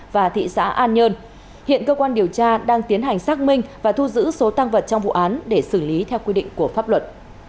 và thị xã an nhơn hiện cơ quan điều tra đang tiến hành xác minh và thu giữ số tăng vật trong vụ án để xử lý theo quy định của pháp luật